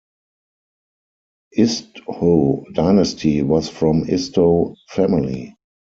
Isdhoo Dynasty was from Isdhoo Family.